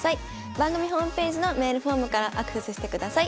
番組ホームページのメールフォームからアクセスしてください。